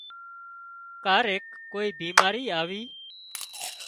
ڪاريڪ ڪوئي بيماري آوي